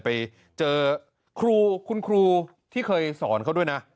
ไปเจอครูคุณครูที่เคยสอนเขาด้วยนะ